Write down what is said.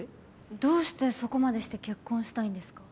どうしてそこまでして結婚したいんですか？